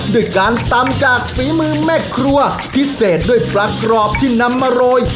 ด้วยการตำจากฝีมือแม่ครัวพิเศษด้วยปลากรอบที่นำมาโรย